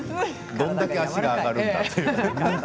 どれだけ足が上がるのか。